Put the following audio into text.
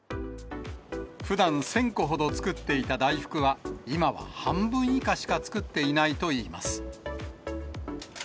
ふだん１０００個ほど作っていた大福は、今は半分以下しか作っていないといいます。